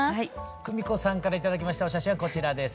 クミコさんから頂きましたお写真はこちらです。